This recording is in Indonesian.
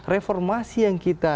reformasi yang kita